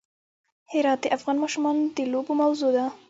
هرات د افغان ماشومانو د لوبو موضوع ده.